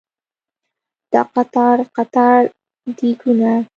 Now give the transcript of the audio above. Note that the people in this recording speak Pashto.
دا قطار قطار دیګونه